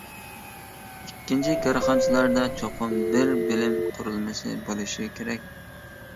ئىككىنچى، كارخانىچىلاردا چوقۇم بىر بىلىم قۇرۇلمىسى بولۇشى كېرەك.